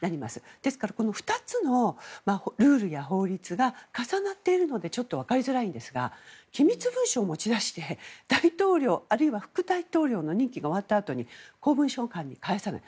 ですから２つのルールや法律が重なっているのでちょっと分かりづらいんですが機密文書を持ち出して大統領、あるいは副大統領の任期が終わったあとに公文書館に返さないと。